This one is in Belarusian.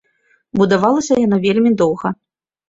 Будавалася яна вельмі доўга.